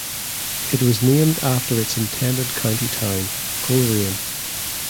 It was named after its intended county town, Coleraine.